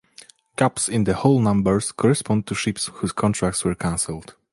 Gaps in the hull numbers correspond to ships whose contracts were cancelled.